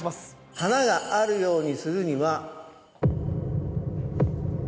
華があるようにするには。